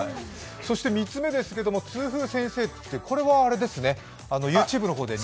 ３つ目ですけど、「通風先生」ってこれはＹｏｕＴｕｂｅの方で。